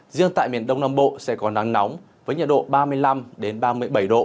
riêng tại miền đông nam bộ sẽ có nắng nóng với nhiệt độ ba mươi năm ba mươi bảy độ